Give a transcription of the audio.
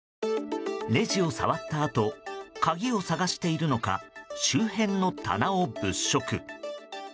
レジを触ったあと鍵を探しているのか周辺の棚を物色。